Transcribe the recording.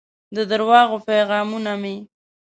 د درواغو پیغامونه مې